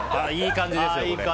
いい感じですね。